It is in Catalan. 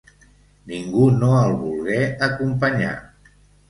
Ningú no el volgué acompanyar.